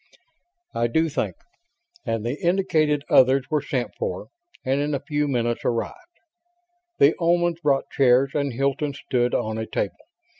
"I do think;" and the indicated others were sent for; and in a few minutes arrived. The Omans brought chairs and Hilton stood on a table.